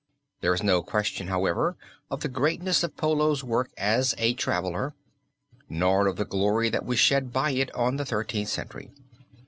There is no question, however, or the greatness of Polo's work as a traveler, nor of the glory that was shed by it on the Thirteenth Century.